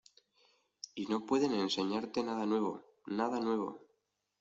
Y no pueden enseñarte nada nuevo, nada nuevo.